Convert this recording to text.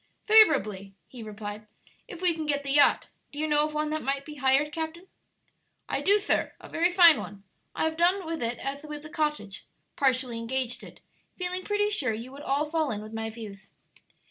"Favorably," he replied, "if we can get the yacht. Do you know of one that might be hired, captain?" "I do, sir; a very fine one. I have done with it as with the cottage partially engaged it feeling pretty sure you would all fall in with my views."